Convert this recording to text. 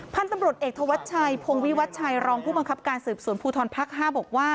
พันธุ์ตำรวจเอกธวัชชัยพงวิวัชชัยรองผู้บังคับการสืบสวนภูทรภักดิ์๕บอกว่า